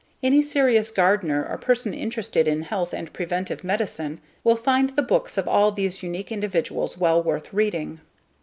Any serious gardener or person interested in health and preventive medicine will find the books of all these unique individuals well worth reading.